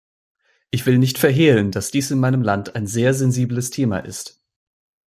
Ich will nicht verhehlen, dass dies in meinem Land ein sehr sensibles Thema ist.